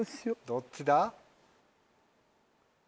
どっちだ？